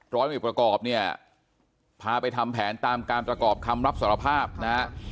ร้อยเวทประกอบเนี่ยพาไปทำแผนตามการประกอบคำรับสารภาพนะฮะ